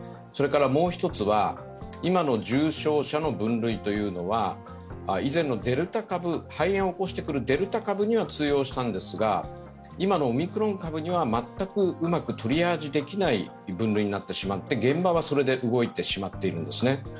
それからもう一つは、今の重症者の分類というのは、以前の肺炎を起こしてくるデルタ株には通用したんですが今のオミクロン株には全くうまくトリアージできない分類になってしまって現場はそれで動いてしまっているんですね、